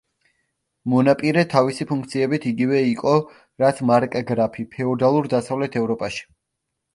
მონაპირე თავისი ფუნქციებით იგივე იყო, რაც მარკგრაფი ფეოდალურ დასავლეთ ევროპაში.